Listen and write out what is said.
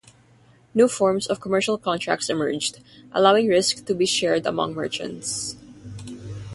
New forms of commercial contracts emerged, allowing risk to be shared among merchants.